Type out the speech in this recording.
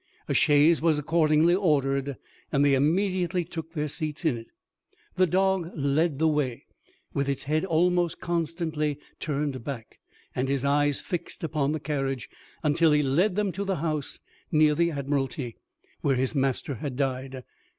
A chaise was accordingly ordered, and they immediately took their seats in it. The dog led the way, with its head almost constantly turned back, and his eyes fixed upon the carriage, until he led them to the house near the Admiralty, where his master had died.